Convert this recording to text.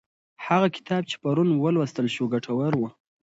هغه کتاب چې پرون ولوستل شو ګټور و.